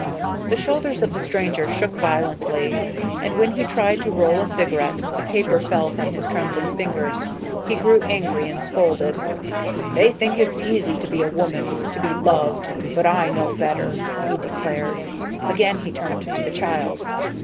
The shoulders of the stranger shook violently, and when he tried to roll a cigarette the paper fell from his trembling fingers. He grew angry and scolded. "They think it's easy to be a woman, to be loved, but I know better," he declared. Again he turned to the child.